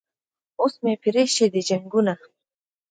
اوس مې پریښي دي جنګونه